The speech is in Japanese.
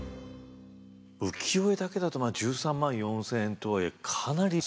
浮世絵だけだと１３万４，０００円とはいえかなり少なくないかい？